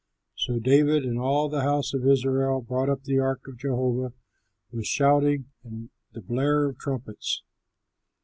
So David and all the house of Israel brought up the ark of Jehovah with shouting and the blare of trumpets.